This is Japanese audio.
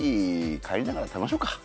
帰りながら食べましょうか。